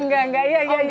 enggak enggak enggak